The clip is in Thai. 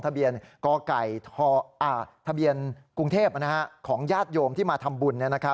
ทะเบียนกไก่ทะเบียนกรุงเทพของญาติโยมที่มาทำบุญ